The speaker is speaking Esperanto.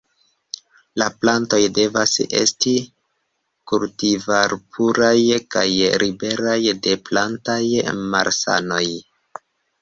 La plantoj devas esti kultivarpuraj kaj liberaj de plantaj malsanoj.